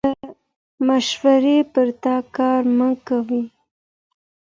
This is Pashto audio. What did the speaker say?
له مشورې پرته کار مه کوئ.